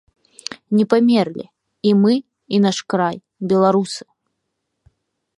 Не памерлі, і мы і наш край, беларусы!